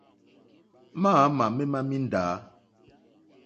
Mǎǃáámà mémá míndǎ.